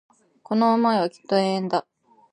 この思いはきっと永遠だ